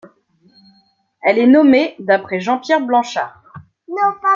Elle est nommée d'après Jean-Pierre Blanchard.